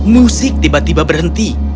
musik tiba tiba berhenti